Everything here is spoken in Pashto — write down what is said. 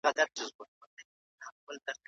پیسې په اسانه بدلېږي.